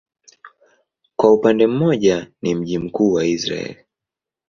Kwa upande mmoja ni mji mkuu wa Israel.